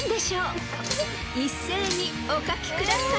［一斉にお書きください］